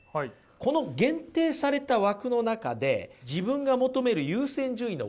この限定された枠の中で自分が求める優先順位の割合をね